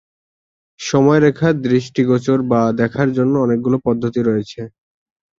সময়রেখা দৃষ্টিগোচর বা দেখার জন্য অনেকগুলো পদ্ধতি রয়েছে।